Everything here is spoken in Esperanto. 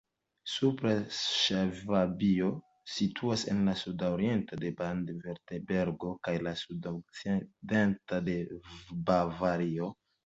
Supra Ŝvabio situas en la sudoriento de Baden-Virtembergo kaj la sudokcidento de Bavario.